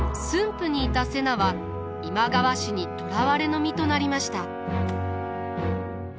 府にいた瀬名は今川氏に捕らわれの身となりました。